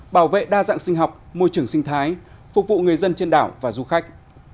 bảo vệ đa dạng sinh học môi trường sinh thái phục vụ người dân trên đảo và du khách